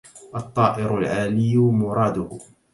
الطائر العالي مراده